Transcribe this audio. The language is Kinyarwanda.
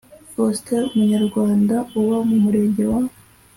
faustin umunyarwanda uba mu murenge wa